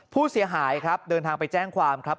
ผู้เสียหายครับเดินทางไปแจ้งความครับ